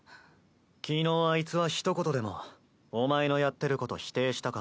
昨日あいつはひと言でもお前のやってること否定したか？